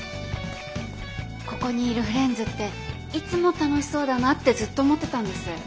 ここにいるフレンズっていつも楽しそうだなってずっと思ってたんです。